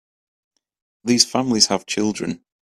These families have children.